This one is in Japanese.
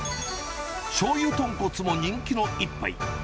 しょうゆ豚骨も人気の一杯。